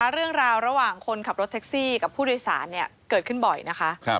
เรื่องราวระหว่างคนขับรถแท็กซี่กับผู้โดยสารเกิดขึ้นบ่อยนะคะ